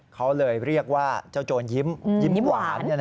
เขาเลยเรียกว่าเจ้าโจรยิ้มยิ้มหวาน